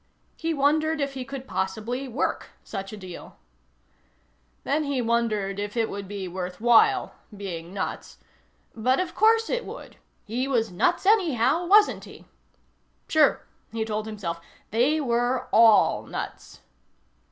He wondered if he could possibly work such a deal. Then he wondered if it would be worthwhile, being nuts. But of course it would. He was nuts anyhow, wasn't he? Sure, he told himself. They were all nuts.